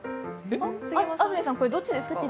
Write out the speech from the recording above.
安住さん、これ、どっちですか？